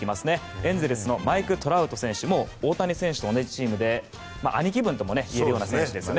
エンゼルスのマイク・トラウト選手も大谷選手と同じチームで兄貴分ともいえる選手ですね。